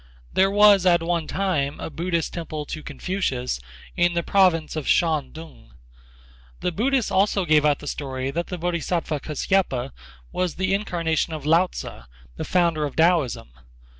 There was at one time a Buddhist temple to Confucius in the province of Shantung. The Buddhists also gave out the story that Bodhisattva Kas'yapa was the incarnation of Lao Tzu, the founder of Taoism.